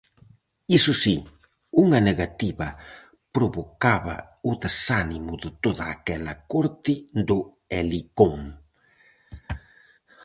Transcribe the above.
Iso si: unha negativa provocaba o desánimo de toda aquela corte do Helicón.